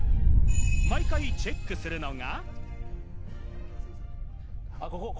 毎回チェックするのが。